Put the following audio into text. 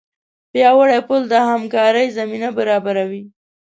پیاوړی پل د همکارۍ زمینه برابروي.